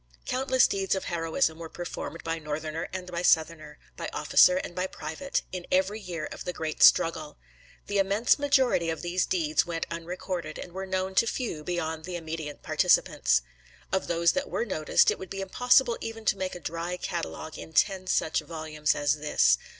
Countless deeds of heroism were performed by Northerner and by Southerner, by officer and by private, in every year of the great struggle. The immense majority of these deeds went unrecorded, and were known to few beyond the immediate participants. Of those that were noticed it would be impossible even to make a dry catalogue in ten such volumes as this.